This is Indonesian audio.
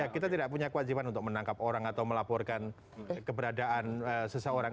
kita tidak punya kewajiban untuk menangkap orang atau melaporkan keberadaan seseorang